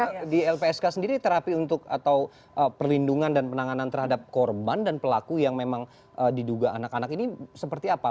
jadi itu di lpsk sendiri terapi untuk atau perlindungan dan penanganan terhadap korban dan pelaku yang memang diduga anak anak ini seperti apa